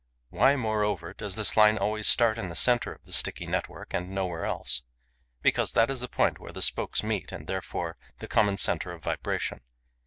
Why, moreover, does this line always start in the centre of the sticky network and nowhere else? Because that is the point where the spokes meet and, therefore, the common centre of vibration.